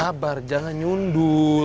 sabar jangan nyundul